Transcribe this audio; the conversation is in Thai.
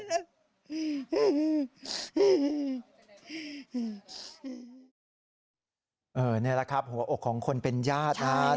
นี่แหละครับหัวอกของคนเป็นญาตินะครับ